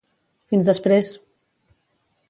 Fins després!